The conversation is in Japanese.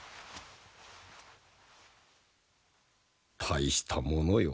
大したものよ